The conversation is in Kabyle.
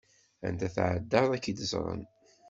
Anda tεeddaḍ ad k-id-ẓren.